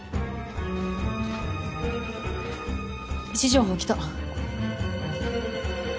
位置情報来た。